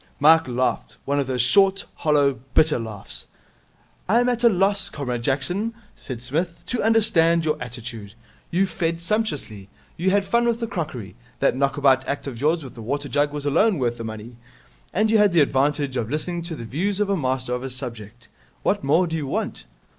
Mike laughed. One of those short, hollow, bitter laughs. 'I am at a loss, Comrade Jackson,' said Psmith, 'to understand your attitude. You fed sumptuously. You had fun with the crockery that knockabout act of yours with the water jug was alone worth the money and you had the advantage of listening to the views of a master of his subject. What more do you want?'